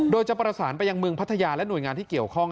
โดยจะประสานไปยังเมืองพัทยาและหน่วยงานที่เกี่ยวข้อง